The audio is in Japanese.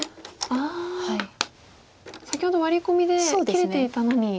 ああ先ほどワリ込みで切れていたのに。